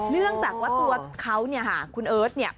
เนื่องจากว่าตัวเขาคุณเอิร์ท